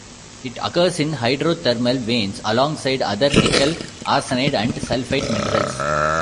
It occurs in hydrothermal veins alongside other nickel arsenide and sulfide minerals.